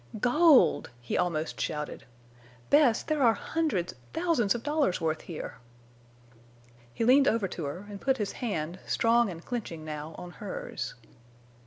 "Gold!" he almost shouted. "Bess, there are hundreds—thousands of dollars' worth here!" He leaned over to her, and put his hand, strong and clenching now, on hers.